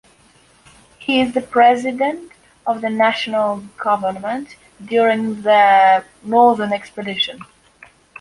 He is the president of the national government during the Northern Expedition.